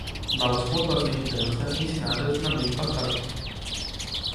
Novas pontuações de dança ensinadas na noite passada